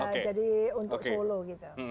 jadi untuk suluh gitu